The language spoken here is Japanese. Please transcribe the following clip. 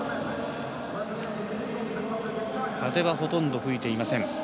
風はほとんど吹いていません。